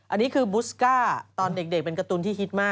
อันนี้คือบุสก้าตอนเด็กเป็นการ์ตูนที่ฮิตมาก